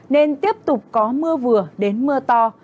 nên tiếp tục có mưa vừa đến mưa to